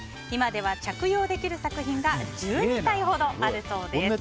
今では着用できる作品が１２体ほどあるそうです。